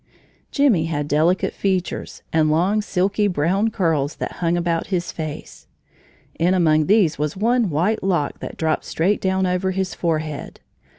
Jimmie had delicate features and long, silky, brown curls that hung about his face. In among these was one white lock that dropped straight down over his forehead.